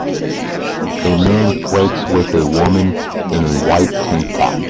A man flirts with a woman in a white tank top.